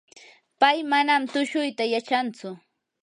pay manam tushuyta yachantsu.